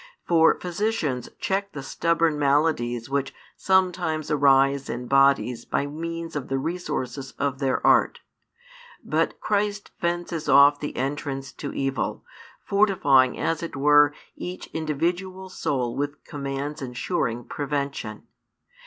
For physicians check the stubborn maladies which sometimes arise in bodies by means of the resources of their art. But Christ fences off the entrance to evil, fortifying as it were each individual soul with commands ensuring prevention.